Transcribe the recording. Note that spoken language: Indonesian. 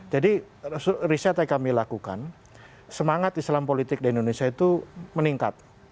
jadi riset yang kami lakukan semangat islam politik di indonesia itu meningkat